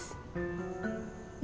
mau ngajak maipah bisnis